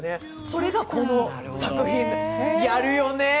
それが、この作品、やるよね！